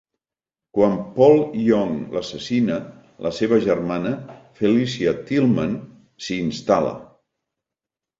Quan Paul Young l'assassina, la seva germana, Felicia Tilman, s'hi instal·la.